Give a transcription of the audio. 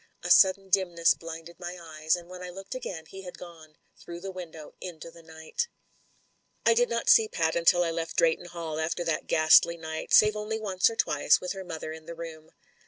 A sudden dimness blinded my eyes, and when I looked again he had gone — ^through the window into the night. .••.. I did not see Pat until I left Drayton Hall after that ghastly night, save only once or twice with her mother in the room.